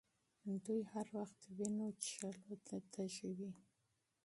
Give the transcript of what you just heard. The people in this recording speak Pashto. دوی هر وخت وینو څښلو ته تږي وي.